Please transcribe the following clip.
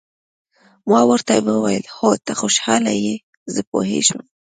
ما ورته وویل: هو، ته خوشاله یې، زه پوهېږم.